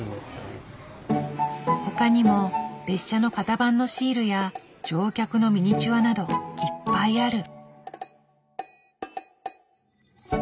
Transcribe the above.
他にも列車の型番のシールや乗客のミニチュアなどいっぱいある。